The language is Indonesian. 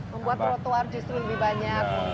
membuat rotuar justru lebih banyak mungkin ya